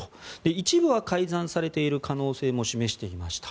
一部は改ざんされている可能性も示していました。